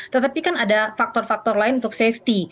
tetapi kan ada faktor faktor lain untuk safety